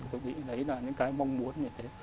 tôi nghĩ đấy là những cái mong muốn như thế